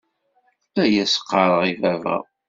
La as-ɣɣareɣ i baba.